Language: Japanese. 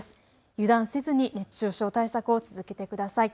油断せずに熱中症対策を続けてください。